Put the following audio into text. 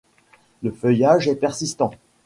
Le feuillage est persistant.